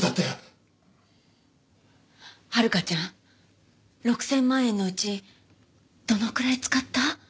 はるかちゃん６千万円のうちどのくらい使った？